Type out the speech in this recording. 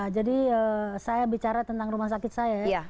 jadi saya bicara tentang rumah sakit saya ya